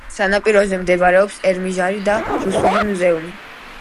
სანაპიროზე მდებარეობს ერმიტაჟი და რუსული მუზეუმი.